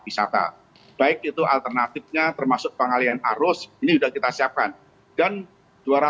wisata baik itu alternatifnya termasuk pengalian arti dan juga penyelenggaraan dan juga penyelenggaraan